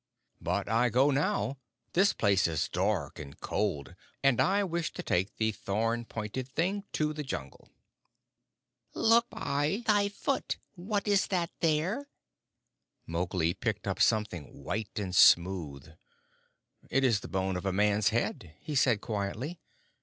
"But I go now. This place is dark and cold, and I wish to take the thorn pointed thing to the Jungle." "Look by thy foot! What is that there?" Mowgli picked up something white and smooth. "It is the bone of a man's head," he said quietly.